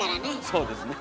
そうですね。